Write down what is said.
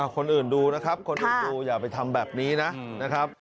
คนอื่นดูนะครับคนอื่นดูอย่าไปทำแบบนี้นะครับ